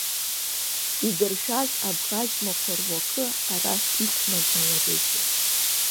Идыршәаз абӷаџьмақәа руакы арахь иқәнагаларызу?